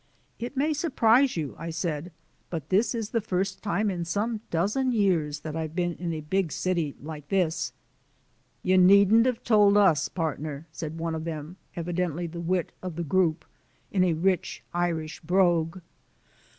"It may surprise you," I said, "but this is the first time in some dozen years that I've been in a big city like this." "You hadn't 'ave told us, partner!" said one of them, evidently the wit of the group, in a rich Irish brogue.